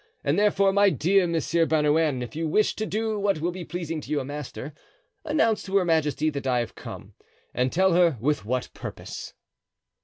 And therefore, my dear Monsieur Bernouin, if you wish to do what will be pleasing to your master, announce to her majesty that I have come, and tell her with what purpose."